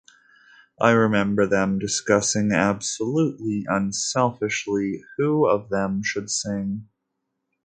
I remember them discussing, absolutely unselfishly, who of them should sing.